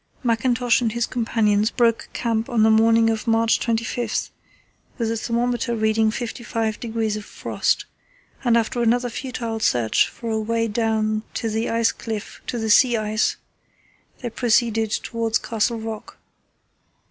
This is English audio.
Mackintosh and his companions broke camp on the morning of March 25, with the thermometer recording 55° of frost, and, after another futile search for a way down the ice cliff to the sea ice, they proceeded towards Castle Rock.